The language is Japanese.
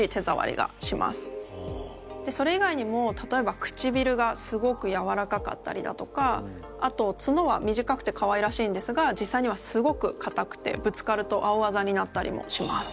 それ以外にも例えばくちびるがすごくやわらかかったりだとかあと角は短くてかわいらしいんですが実際にはすごく硬くてぶつかると青あざになったりもします。